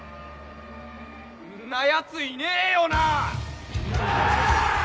「んなやついねえよな？」